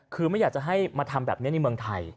คือไม่อยากจะให้มาทำแบบนี้ในเมืองไทย